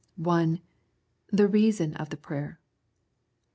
I. The Reason of the Prayer.